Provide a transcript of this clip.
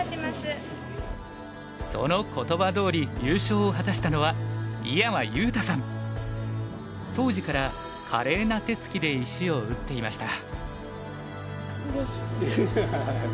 その言葉どおり優勝を果たしたのは当時から華麗な手つきで石を打っていました。